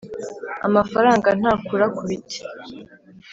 amafaranga ntakura ku biti